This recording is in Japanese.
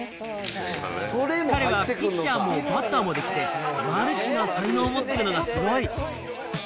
彼はピッチャーもバッターもできて、マルチな才能を持っているのがすごい。